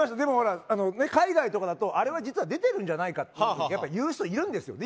海外とかだと、あれは実は出てるんじゃないかと言う人がいるんですよね。